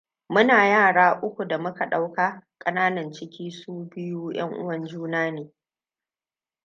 Muna yara uku da muka ɗauka. Ƙanan ciki su biyu ƴanuwan juna ne.